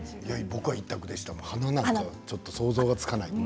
僕は一択でした鼻なんかはちょっと想像がつかない。